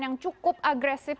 yang cukup agresif